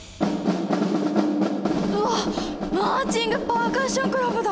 うわっマーチング・パーカッション・クラブだ。